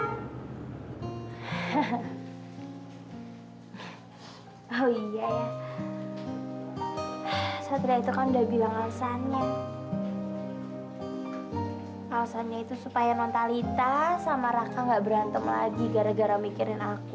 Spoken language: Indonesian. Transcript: alasannya itu supaya nontalita sama raka nggak berantem lagi gara gara mikirin aku